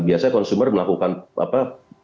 biasanya konsumen melakukan apa